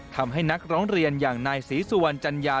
นักร้องเรียนอย่างนายศรีสุวรรณจัญญา